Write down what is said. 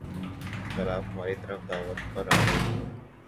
کل آپ ہماری طرف دعوت پر آرہے ہیں